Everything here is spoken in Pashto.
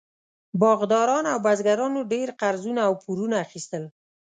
باغداران او بزګرانو ډېر قرضونه او پورونه اخیستل.